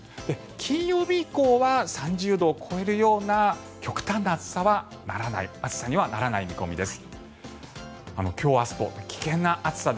金曜日以降は３０度を超えるような極端な暑さにはならない見込みです。